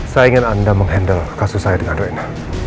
saya ingin anda mengendalikan kasus saya dengan rena